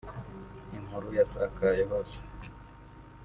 Inkuru yasakaye hose